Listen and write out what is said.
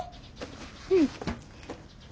うん。